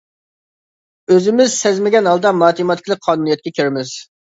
ئۆزىمىز سەزمىگەن ھالدا ماتېماتىكىلىق قانۇنىيەتكە كىرىمىز.